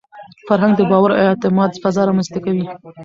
فرهنګ د باور او اعتماد فضا رامنځته کوي.